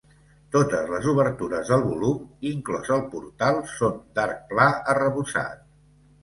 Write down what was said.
Totes les obertures del volum, inclòs el portal, són d'arc pla arrebossat.